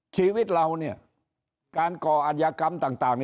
ชีวิตเราการก่ออัธยกรรมต่าง